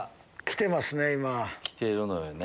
来てますね。